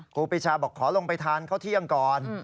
ครูปีชาบอกขอลงไปทานข้าวเที่ยงก่อน